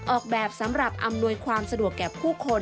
ออกแบบสำหรับอำนวยความสะดวกแก่ผู้คน